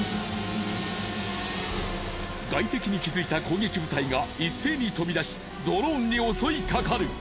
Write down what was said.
外敵に気付いた攻撃部隊が一斉に飛び出しドローンに襲いかかる。